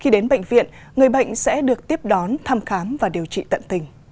khi đến bệnh viện người bệnh sẽ được tiếp đón thăm khám và điều trị tận tình